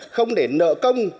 không để nợ công